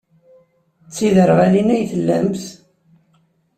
D tiderɣalin i tellamt?